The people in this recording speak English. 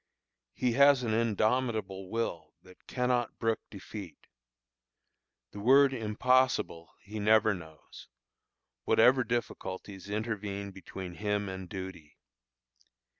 He has an indomitable will that cannot brook defeat. The word impossible he never knows, whatever difficulties intervene between him and duty.